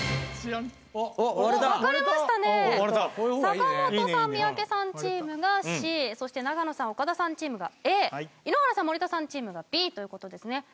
割れた分かれましたね坂本さん三宅さんチームがＣそして長野さん岡田さんチームがＡ井ノ原さん森田さんチームがＢということですね